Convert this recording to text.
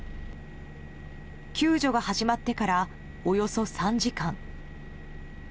救助が始まってからおよそ３時間。